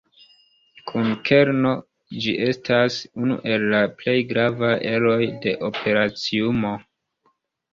Kun kerno, ĝi estas unu el la plej gravaj eroj de operaciumo.